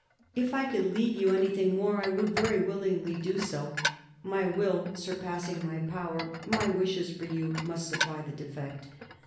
..." If I could leave you anything more, I would very willingly do so ; my will surpassing my power, my wishes for you must supply the defect.